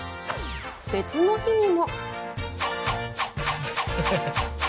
別の日にも。